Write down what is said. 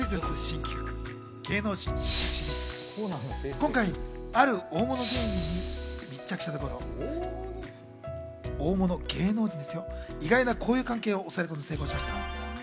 今回ある大物芸能人に密着したところ、意外な交友関係をおさえることに成功しました。